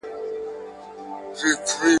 وایي تم سه خاطرې دي راته وایي `